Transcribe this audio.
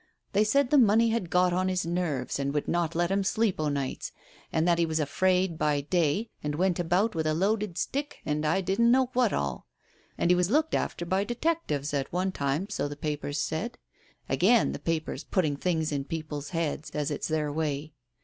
They said the money had got on his nerves, and would not let him sleep o' nights, and that he was afraid by day and went about with a loaded stick and I don't know what all. And he was looked after by detec tives, at one time, so the papers said — again the papers, putting things in people's heads, as it's their way.